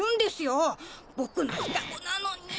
ボクのふたごなのに。